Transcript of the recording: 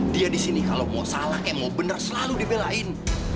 dia di sini kalau mau salah kayak mau benar selalu dibelain